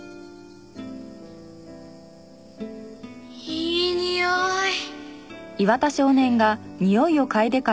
いいにおい。